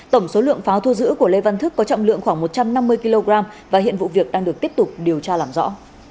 tổng số lượng pháo thu giữ của lê văn thức có trọng lượng khoảng một trăm năm mươi kg và hiện vụ việc đang được tiếp tục điều tra làm rõ